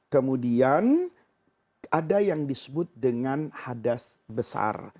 kemudian ada yang disebut dengan hadas besar